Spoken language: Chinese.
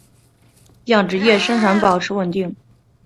养殖业生产保持稳定。